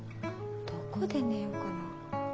どこで寝ようかな。